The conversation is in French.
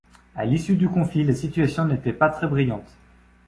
À l’issue du conflit, la situation n’était pas très brillante.